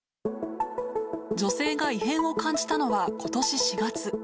女性が異変を感じたのは、ことし４月。